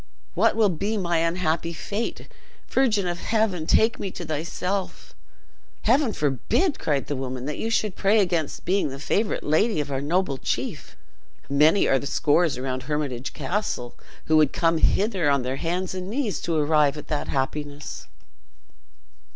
"What will be my unhappy fate! Virgin of heaven, take me to thyself!" "Heaven forbid!" cried the woman, "that you should pray against being the favorite lady of our noble chief! Many are the scores around Hermitage Castle who would come hither on their hands and knees to arrive at that happiness."